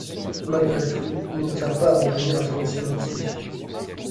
Malgré tout, il ne tient pas à revenir à son ancien métier.